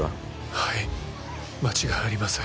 はい間違いありません。